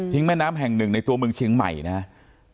แม่น้ำแห่งหนึ่งในตัวเมืองเชียงใหม่นะครับ